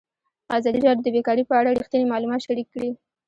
ازادي راډیو د بیکاري په اړه رښتیني معلومات شریک کړي.